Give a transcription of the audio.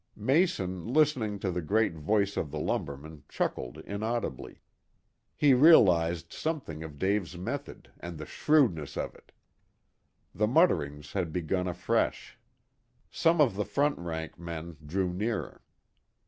Mason listening to the great voice of the lumberman chuckled inaudibly. He realized something of Dave's method, and the shrewdness of it. The mutterings had begun afresh. Some of the front rank men drew nearer.